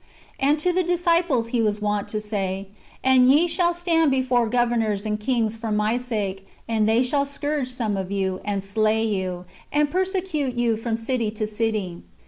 ^ And to the disciples He was wont to say, "And ye shall stand before governors and kings for my sake ; and they shall scourge some of you, and slay you, and per secute you from city to city."